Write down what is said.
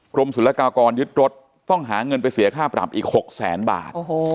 กรมศุลกากรยึดรถต้องหาเงินไปเสียค่าปรับอีก๖แสนบาท